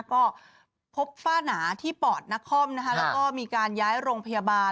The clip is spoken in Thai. ก็พบฝ้าหนาที่ปอดนครติดแล้วก็มีการย้ายไปโรงพยาบาล